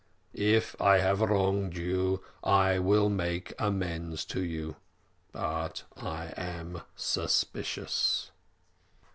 If I have wronged you I will make amends to you but I am suspicious.'